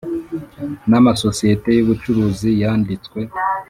Amasosiyete y’ ubucuruzi yanditswe